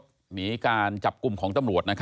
หนีการจับกลุ่มของตำรวจ